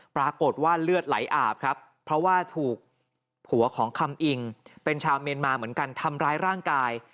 ปรากฏว่าเลือดไหลอาบครับเพราะว่าถูกผัวของคำอิงเป็นชาวเมียนมาเหมือนกันทำร้ายร่างกาย